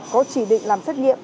có chỉ định làm xét nghiệm